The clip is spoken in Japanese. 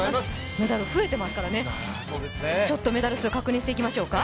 メダル増えてますからね、ちょっとメダル数を確認していきましょうか。